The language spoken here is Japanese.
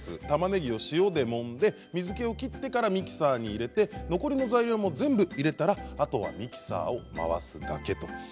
たまねぎを塩でもんで水けを切ってからミキサーに入れて残りの材料も全部入れたらあとはミキサーを回すだけと。